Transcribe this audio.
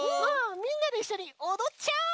みんなでいっしょにおどっちゃおう！